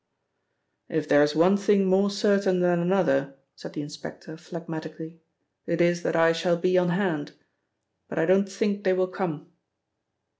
"If there is one thing more certain that another," said the inspector phlegmatically, "it is that I shall be on hand. But I don't think they will come."